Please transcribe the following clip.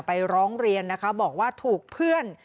ร้องเรียนนะคะบอกว่าถูกเพื่อน